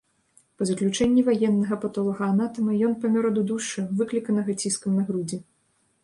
Па заключэнні ваеннага патолагаанатама, ён памёр ад удушша, выкліканага ціскам на грудзі.